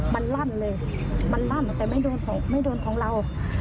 มันลั่นเลยมันลั่นแต่ไม่โดนของเรา